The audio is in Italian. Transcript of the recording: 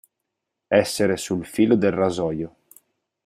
Essere sul filo del rasoio.